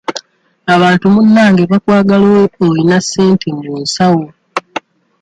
Abantu munnange bakwagala oyina akasente mu nsawo.